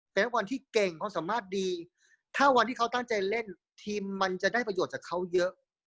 เป็นวันที่เก่งความสามารถดีถ้าวันที่เขาตั้งใจเล่นทีมมันจะได้ประโยชน์จากเขาเยอะ